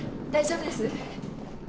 大丈夫です。